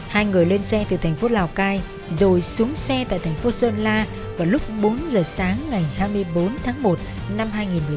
hai người lên xe từ thành phố lào cai rồi xuống xe tại thành phố sơn la vào lúc bốn giờ sáng ngày hai mươi bốn tháng một năm hai nghìn một mươi tám